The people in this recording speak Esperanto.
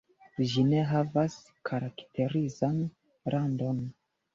Ĝi ne havas karakterizan randon.